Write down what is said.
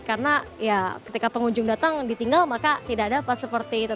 karena ya ketika pengunjung datang ditinggal maka tidak dapat seperti itu